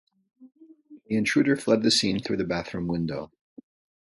The intruder fled the scene through the bathroom window.